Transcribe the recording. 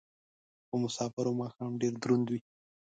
په مسافرو ماښام ډېر دروند وي